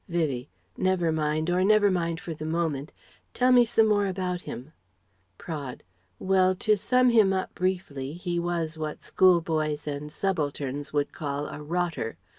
Vivie: "Never mind, or never mind for the moment. Tell me some more about him." Praed: "Well to sum him up briefly he was what school boys and subalterns would call 'a rotter.'